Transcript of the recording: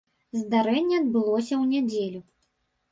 Здарэнне адбылося ў нядзелю.